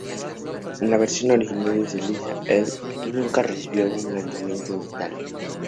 La versión original de "Lisa e il diavolo" nunca recibió un lanzamiento en Italia.